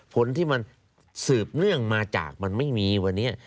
ผลที่มันสืบเนื่องมาจากมันไม่มีวันนี้